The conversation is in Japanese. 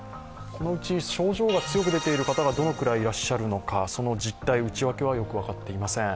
このうち症状が強く出ている方がどのくらいいらっしゃるのかその実態、内訳はよく分かっていません。